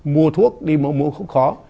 mua thuốc đi mua mua không khó